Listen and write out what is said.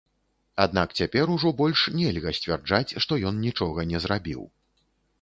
Аднак цяпер ужо больш нельга сцвярджаць, што ён нічога не зрабіў.